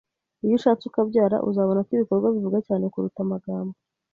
Iyo ushatse ukabyara, uzabona ko ibikorwa bivuga cyane kuruta amagambo.